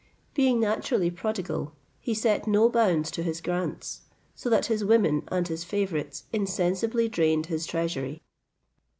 Being naturally prodigal, he set no bounds to his grants, so that his women and his favourites insensibly drained his treasury.